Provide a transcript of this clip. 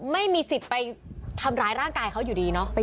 ไม่มีสิทธิ์ไปทำร้ายร่างกายเขาอยู่ดีเนาะ